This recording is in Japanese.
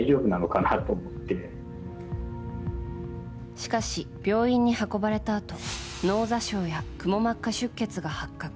しかし、病院に運ばれたあと脳挫傷や、くも膜下出血が発覚。